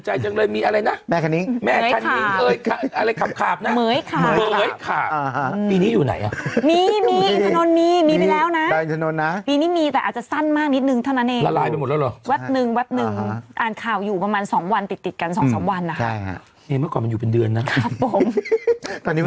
ขอให้เข้ามาก่อนแป๊บหนึ่งแล้วพรุ่งนี้ค่อยเบาลง